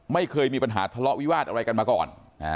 ไม่เคยมีปัญหาทะเลาะวิวาสอะไรกันมาก่อน